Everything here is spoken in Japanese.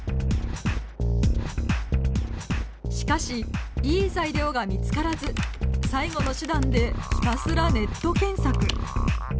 しかしいい材料が見つからず最後の手段でひたすらネット検索。